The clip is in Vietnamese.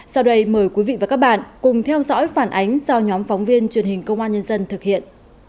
sau đây mời quý vị và các bạn cùng theo dõi phản ánh do nhóm phóng viên truyền hình công an nhân dân thực hiện